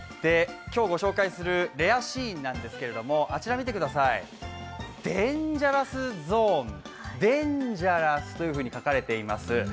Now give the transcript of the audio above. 今日ご紹介するレアシーンなんですけれどもあちら見てください、デンジャラスゾーン、デンジャラスというふうに書かれています。